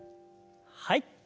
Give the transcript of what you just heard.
はい。